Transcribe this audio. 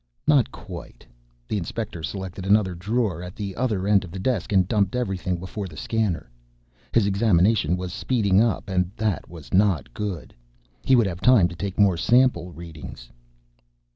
"Not quite." The Inspector selected another drawer at the other end of the desk and dumped everything before the scanner. His examination was speeding up and that was not good; he would have time to take more sample readings.